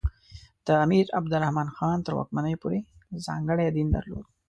د امیر عبدالرحمان خان تر واکمنۍ پورې ځانګړی دین درلود.